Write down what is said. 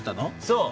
そう。